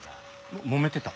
もめてた？